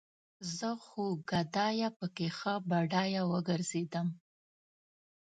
زه خو ګدايه پکې ښه بډايه وګرځېدم